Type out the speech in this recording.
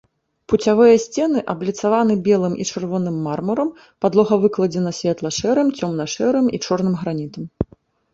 Пуцявыя сцены абліцаваны белым і чырвоным мармурам, падлога выкладзена светла-шэрым, цёмна-шэрым і чорным гранітам.